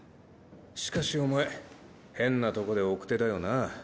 しかしお前変なとこで奥手だよな。